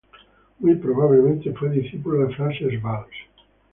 Muy probablemente fue discípulo de Francesc Valls.